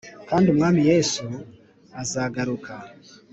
Kand’umwami Yesu – azagaruka